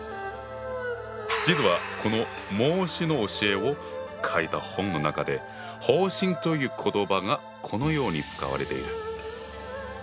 実はこの孟子の教えを書いた本の中で「放心」という言葉がこのように使われている。